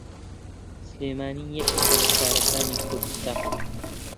سلێمانی یەکێکە لە شارەکانی کوردستان.